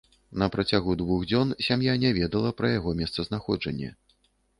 На працягу двух дзён сям'я не ведала пра яго месцазнаходжанне.